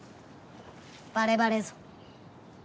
バレバレぞ。